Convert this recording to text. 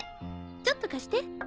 ちょっと貸して。